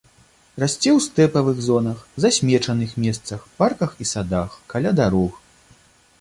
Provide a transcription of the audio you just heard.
Расце ў стэпавых зонах, засмечаных месцах, парках і садах, каля дарог.